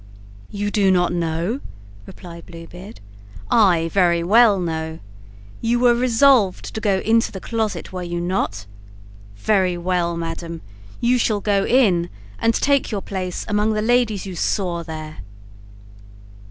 "You do not know!" replied Blue Beard. "I very well know. You were resolved to go into the closet, were you not? Very well, madam; you shall go in and take your place among the ladies you saw there.